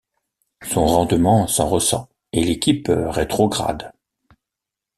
Son rendement s'en ressent et l'équipe rétrograde.